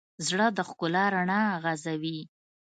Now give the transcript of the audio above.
زړه د ښکلا رڼا غځوي.